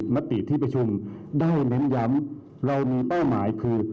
มติที่ประชุมได้เน้นย้ำเรามีเป้าหมายคือ